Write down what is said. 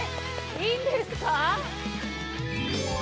いいんですか？